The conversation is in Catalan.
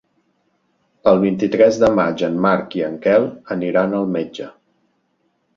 El vint-i-tres de maig en Marc i en Quel aniran al metge.